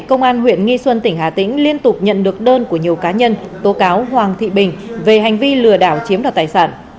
công an huyện nghi xuân tỉnh hà tĩnh liên tục nhận được đơn của nhiều cá nhân tố cáo hoàng thị bình về hành vi lừa đảo chiếm đoạt tài sản